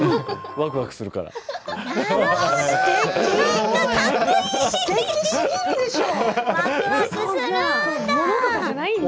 わくわくするんだ。